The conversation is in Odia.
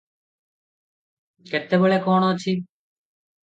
କେତେବେଳେ କଣ ଅଛି